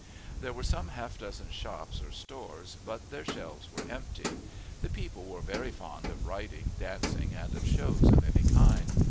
There were some half dozen shops or stores, but their shelves were empty. The people were very fond of riding, dancing, and of shows of any kind.